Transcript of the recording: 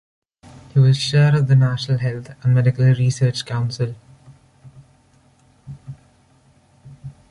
He was Chair of the National Health and Medical Research Council.